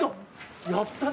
やったね。